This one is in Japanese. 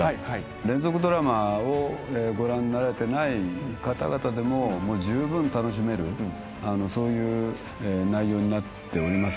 連続ドラマをご覧になられてない方々でもじゅうぶん楽しめるそういう内容になっております。